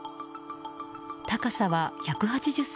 高さは１８０ｃｍ。